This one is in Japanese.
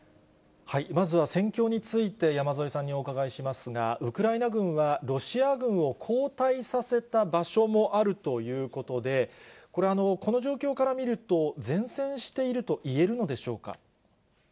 まずは戦況について山添さんにお伺いしますが、ウクライナ軍は、ロシア軍を後退させた場所もあるということで、これ、この状況から見ると、善戦しているといえるのでしょうか。